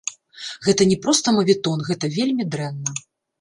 Гэта не проста маветон, гэта вельмі дрэнна.